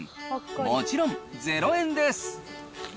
もちろん、ゼロ円です。